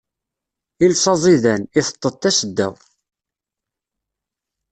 Iles aẓidan, iteṭṭeḍ tasedda.